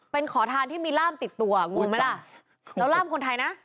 เป็นขอทานที่มีร่ามติดตัวงูไหมล่ะแล้วร่ามคนไทยนะ